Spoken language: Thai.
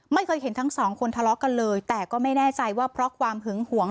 ไม่เคยเห็นทั้งสองคนทะเลาะกันเลยแต่ก็ไม่แน่ใจว่าเพราะความหึงหวง